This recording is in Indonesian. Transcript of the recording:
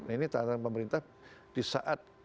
ini tatanan pemerintah di saat